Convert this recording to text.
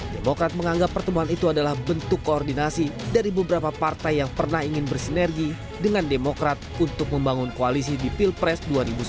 demokrat menganggap pertemuan itu adalah bentuk koordinasi dari beberapa partai yang pernah ingin bersinergi dengan demokrat untuk membangun koalisi di pilpres dua ribu sembilan belas